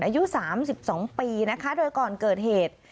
อายุสามสิบสองปีนะคะโดยก่อนเกิดเหตุ